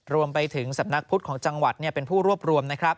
รวมไปถึงสำนักพุทธของจังหวัดเป็นผู้รวบรวมนะครับ